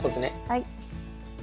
はい。